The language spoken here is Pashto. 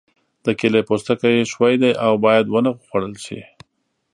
د کیلې پوستکی ښوی دی او باید ونه خوړل شي.